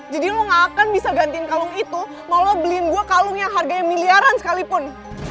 jadi lo gak akan bisa gantiin kalung itu mau lo beliin gue kalung yang harganya miliaran sekalipun